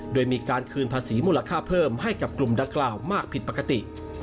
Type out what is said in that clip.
โดยมีการคืนภาษีมูลค่าเพิ่มให้กับกลุ่มดังกล่าวมากผิดปกติ